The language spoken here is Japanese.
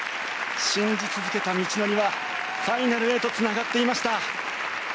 信じ続けた道のりはファイナルへとつながっていました。